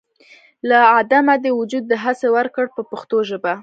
له عدمه دې وجود دهسې ورکړ په پښتو ژبه.